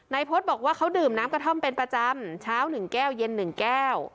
พฤษบอกว่าเขาดื่มน้ำกระท่อมเป็นประจำเช้า๑แก้วเย็น๑แก้ว